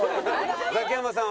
ザキヤマさん